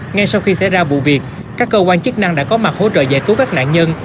ngay sau khi xảy ra vụ việc các cơ quan chức năng đã có mặt hỗ trợ giải cứu các nạn nhân